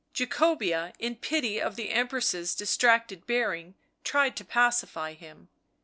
Jacobea, in pity of the Empress's distracted bearing, tried to pacify him.